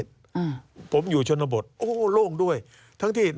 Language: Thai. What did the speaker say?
การเลือกตั้งครั้งนี้แน่